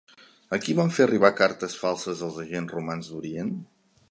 A qui van fer arribar cartes falses els agents romans d'Orient?